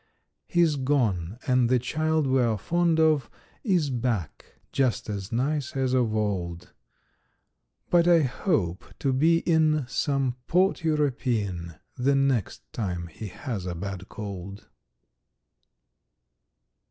He's gone, and the child we are fond of Is back, just as nice as of old. But I hope to be in some port European The next time he has a bad cold.